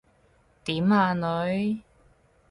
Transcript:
點呀，女？